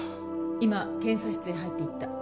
今検査室へ入っていった。